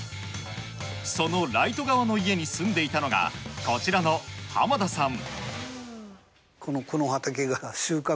そのライト側の家に住んでいたのがこちらの濱田さん。